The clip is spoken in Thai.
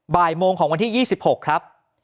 บ่ายโมงของวันที่๒๖ครับ